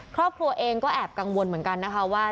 ครอบครัวเองก็แอบกังวลเหมือนกันนะคะว่า